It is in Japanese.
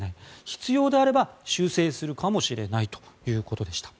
必要であれば修正するかもしれないということでした。